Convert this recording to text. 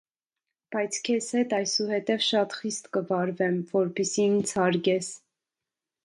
Բայց քեզ հետ այսուհետև շատ խիստ կվարվեմ, որպեսզի ինձ հարգես: